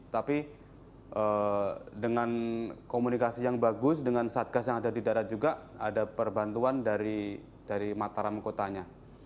tapi dengan komunikasi yang bagus dengan satgas yang ada di darat juga ada perbantuan dari mataram kotanya